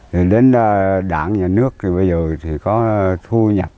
thì đến đảng nhà nước thì bây giờ thì có thu nhập